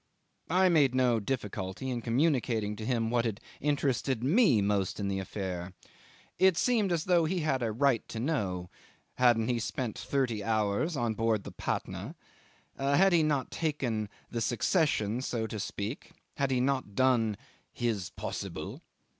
I made no difficulty in communicating to him what had interested me most in this affair. It seemed as though he had a right to know: hadn't he spent thirty hours on board the Patna had he not taken the succession, so to speak, had he not done "his possible"?